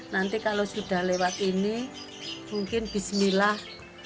nanti kalau sudah lewat ini mungkin bismillah